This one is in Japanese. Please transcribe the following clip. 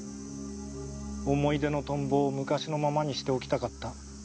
思い出のトンボを昔のままにしておきたかった。